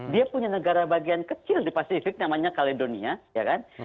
dia punya negara bagian kecil di pasifik namanya kaledonia ya kan